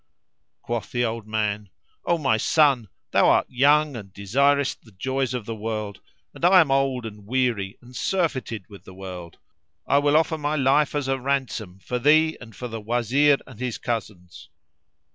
Quoth the old man, "O my son, thou art young and desirest the joys of the world and I am old and weary and surfeited with the world: I will offer my life as a ransom for thee and for the Wazir and his cousins.